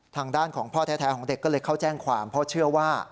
ทางด้านของพ่อแท้ของเด็กก็เลยเข้าแจ้งความเพราะเชื่อว่า